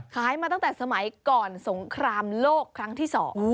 มาตั้งแต่สมัยก่อนสงครามโลกครั้งที่๒